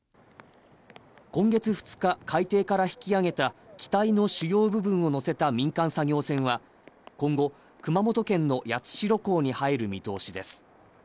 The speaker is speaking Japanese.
今月２日海底から引き揚げた機体の主要部分を乗せた民間作業船は今後、熊本県の八代港に入る見通しです。